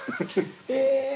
え！